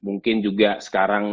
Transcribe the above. mungkin juga sekarang